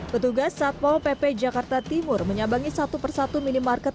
petugas satpol pp jakarta timur menyabangi satu persatu minimarket